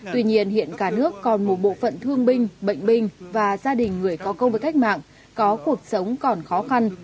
tuy nhiên hiện cả nước còn một bộ phận thương binh bệnh binh và gia đình người có công với cách mạng có cuộc sống còn khó khăn